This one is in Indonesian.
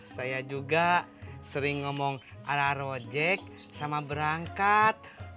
saya juga sering ngomong ara rojek sama berangkat